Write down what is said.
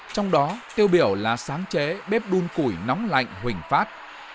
trong đó tiêu biểu là sáng chế bếp đun củi nóng lạnh huỳnh phát